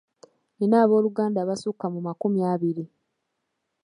Nnina abooluganda abasukka mu makumi abiri.